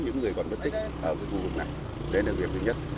những người còn bất tích ở vùng này đấy là việc thứ nhất